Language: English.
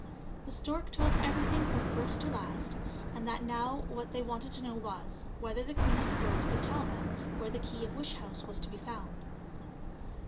The stork told everything from first to last, and that now what they wanted to know was, whether the queen of the birds could tell them where the key of wish house was to be found.